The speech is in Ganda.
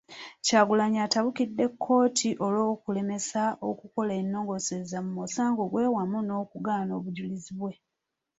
Kyagulanyi atabukidde kkooti olw'okumulemesa okukola ennongoosereza mu musango gwe wamu n'okugaana obujulizi bwe.